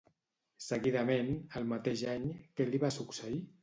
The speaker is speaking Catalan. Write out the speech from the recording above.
Seguidament, al mateix any, què li va succeir?